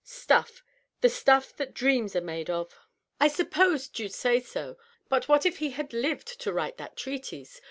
" Stuff— tne stuff that dreams are made of." " I supposed you'd say so. .. But what if he had lived to write that treatise?